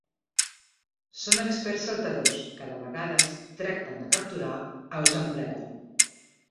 Són experts saltadors, que de vegades tracten de capturar aus en ple vol.